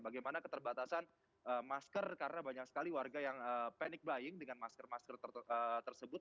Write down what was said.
bagaimana keterbatasan masker karena banyak sekali warga yang panic buying dengan masker masker tersebut